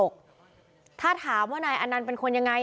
ก็ลดลง